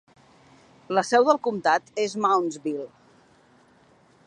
La seu del comtat és Moundsville.